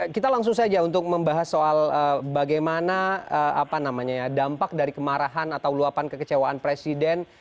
kita langsung saja untuk membahas soal bagaimana dampak dari kemarahan atau luapan kekecewaan presiden